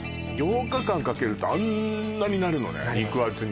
８日間かけるとあんなになるのねなります